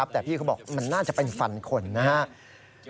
แต่พี่เขาบอกมันน่าจะเป็นฟันคนนะครับ